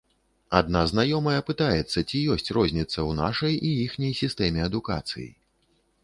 Адна знаёмая пытаецца, ці ёсць розніца ў нашай і іхняй сістэме адукацыі.